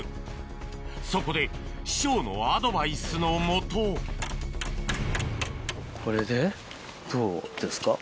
そこで師匠のアドバイスのもとこれでどうですか？